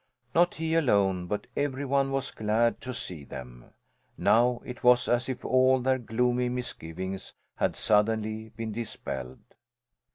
Not he alone, but every one was glad to see them. Now it was as if all their gloomy misgivings had suddenly been dispelled.